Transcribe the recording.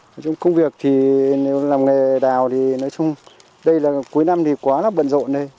nói chung công việc thì nếu làm nghề đào thì nói chung đây là cuối năm thì quá là bận rộn đây